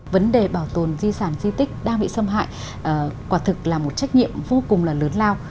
vấn đề bảo tồn di sản di tích đang bị xâm hại quả thực là một trách nhiệm vô cùng lớn lao